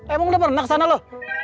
emang lu pernah kesana lu